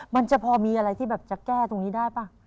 มันจะพอมีอะไรที่แบบจะแก้ตรงนี้ได้ป่ะ